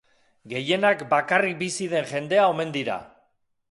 Gehienak bakarrik bizi den jendea omen dira.